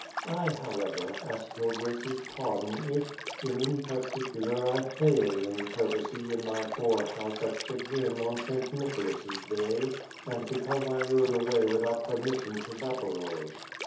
I, however, ask Your Grace's pardon if, in any par ticular I failed in courtesy in my poor house at Chigrin on St. Nicholas' day — and because I rode away without per mission to Zaporoj."